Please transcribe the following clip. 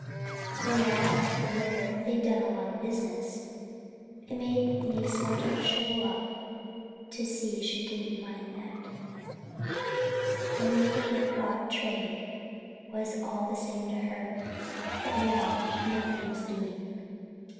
For a while after the murder they'd done a lot of business—it made me sort of shrivel up to see she didn't mind that; anything that brought trade was all the same to her—but now, nothing was doing.